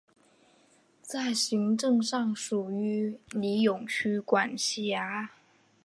在行政上属于尼永区管辖。